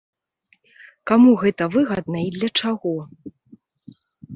Каму гэта выгадна і для чаго?